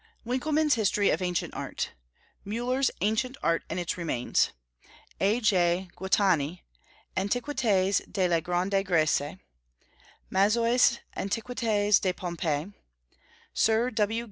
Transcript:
Winckelmann's History of Ancient Art; Müller's Ancient Art and its Remains; A.J. Guattani, Antiquités de la Grande Grèce; Mazois, Antiquités de Pompeii; Sir W.